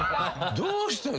どうした。